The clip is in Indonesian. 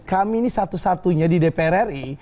kami ini satu satunya di dpr ri